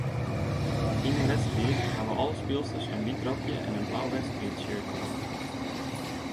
Yn 'e wedstriid hawwe alle spylsters in wyt rokje en in blau wedstriidshirt oan.